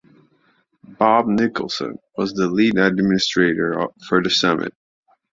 Bob Nicholson was the lead administrator for the summit.